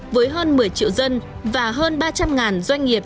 với hơn một mươi triệu dân và hơn ba trăm linh doanh nghiệp